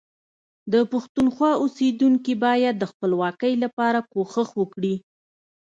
د پښتونخوا اوسیدونکي باید د خپلواکۍ لپاره کوښښ وکړي